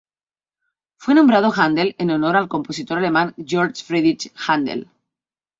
Fue nombrado Handel en honor al compositor alemán Georg Friedrich Händel.